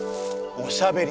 おしゃべり！？